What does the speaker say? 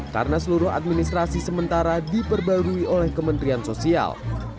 karena seluruh administrasi sementara diperbarui oleh kementerian sosial